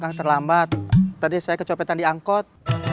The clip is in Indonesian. yang terlambat tadi saya kecopetan di angkot